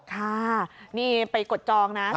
ค่ะนี่ไปกดจองนะ